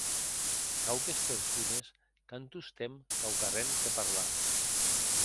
Quauques persones qu’an tostemps quauquarren que parlar.